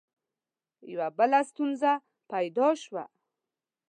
یوه بله ستونزه پیدا شوه.